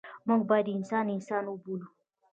موږ باید انسان انسان وبولو.